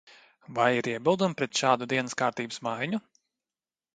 Vai ir iebildumi pret šādu dienas kārtības maiņu?